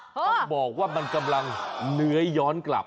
ต้องบอกว่ามันกำลังเลื้อยย้อนกลับ